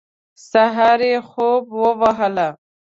سهار یې خوب وواهه.